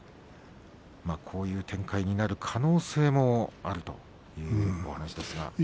こういう展開になる可能性もあるというのが。